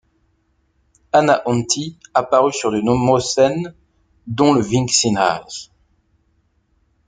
Hanna Honthy apparut sur de nombreuses scènes, dont le Vígszínház.